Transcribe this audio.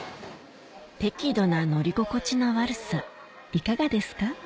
適度な乗り心地の悪さいかがですか？